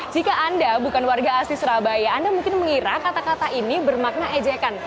jika anda bukan warga asli surabaya anda mungkin mengira kata kata ini bermakna ejekan